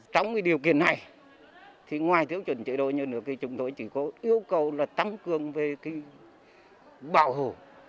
trong điều kiện này thì ngoài thiếu chuẩn chế đội nhân lực thì chúng tôi chỉ có yêu cầu là tăng cường về bảo hộ